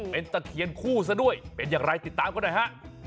เป็นตะเคียนคู่ซะด้วยเป็นอย่างไรติดตามกันหน่อยฮะ